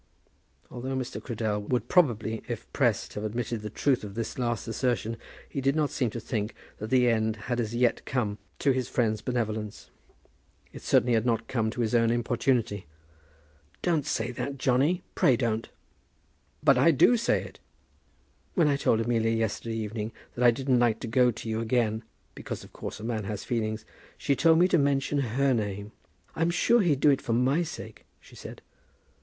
Although Mr. Cradell would probably, if pressed, have admitted the truth of this last assertion, he did not seem to think that the end had as yet come to his friend's benevolence. It certainly had not come to his own importunity. "Don't say that, Johnny; pray don't." "But I do say it." "When I told Amelia yesterday evening that I didn't like to go to you again, because of course a man has feelings, she told me to mention her name. 'I'm sure he'd do it for my sake,' she said."